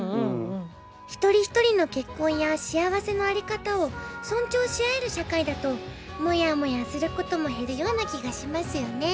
一人一人の結婚や幸せの在り方を尊重し合える社会だともやもやすることも減るような気がしますよね。